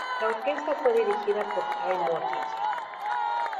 La orquesta fue dirigida por Kai Mortensen.